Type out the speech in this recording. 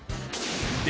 で